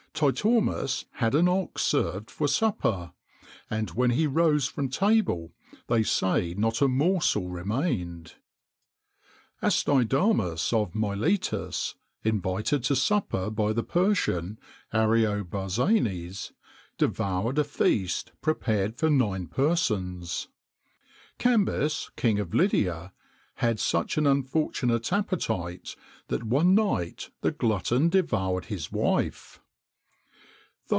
[XXIX 7] Titormus had an ox served for supper, and when he rose from table, they say not a morsel remained.[XXIX 8] Astydamas of Miletus, invited to supper by the Persian, Ariobarzanes, devoured a feast prepared for nine persons.[XXIX 9] Cambis, King of Lydia, had such an unfortunate appetite, that one night the glutton devoured his wife!